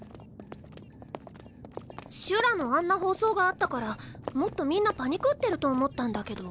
シュラのあんな放送があったからもっとみんなパニクってると思ったんだけど。